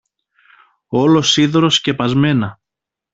όλο σίδερο σκεπασμένα